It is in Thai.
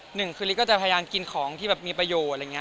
หนึ่งคุณลิกก็จะพยายามกินของที่มีประโยชน์